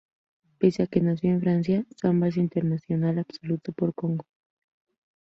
Pese a que nació en Francia, Samba es internacional absoluto por Congo.